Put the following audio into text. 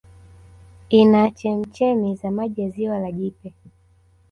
Ina chemchemi za maji za Ziwa la Jipe